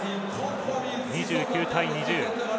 ２９対２０。